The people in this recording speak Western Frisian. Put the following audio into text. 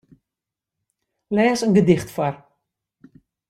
Lês in gedicht foar.